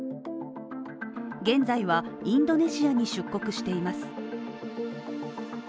現在はインドネシアに出国しています。